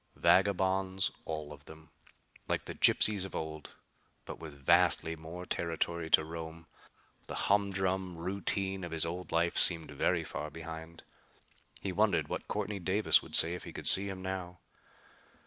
Vagabonds, all of them! Like the gypsies of old, but with vastly more territory to roam. The humdrum routine of his old life seemed very far behind. He wondered what Courtney Davis would say if he could see him now.